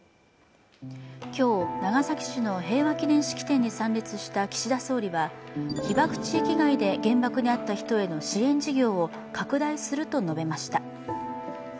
今日、長崎市の平和祈念式典に参列した岸田総理は被爆地域外で原爆に遭った人への支援事業を拡大すると述べました。